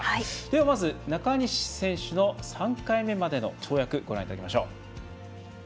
まず中西選手の３回目までの跳躍をご覧いただきましょう。